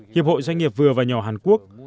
hiệp hội doanh nghiệp vừa và nhỏ hàn quốc